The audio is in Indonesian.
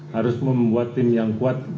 harus membuat tim yang kuat